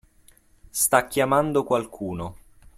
Sta chiamando qualcuno.